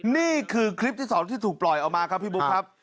นี่คือคลิปที่สองที่ถูกปล่อยออกมาครับพี่บุ๊คครับ